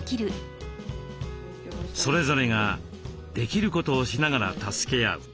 それぞれができることをしながら助け合う。